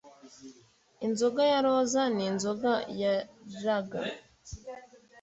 Inzoga ya roza ninzoga ya lager